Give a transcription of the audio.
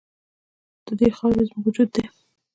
د دې خاوره زموږ وجود دی